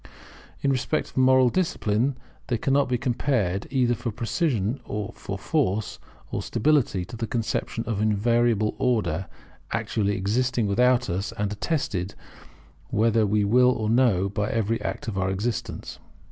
In respect of moral discipline they cannot be compared either for precision, for force, or for stability, to the conception of an invariable Order, actually existing without us, and attested, whether we will or no, by every act of our existence.